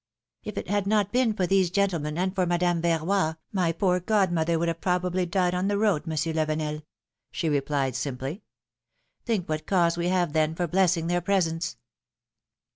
If it had not been for these gentlemen and for Madame Verroy, my poor godmother would probably have died on the road, Monsieur Lavenel,^^ she replied, simply. Think what cause we have then for blessing their presence.